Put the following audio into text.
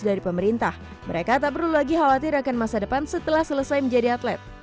dari pemerintah mereka tak perlu lagi khawatir akan masa depan setelah selesai menjadi atlet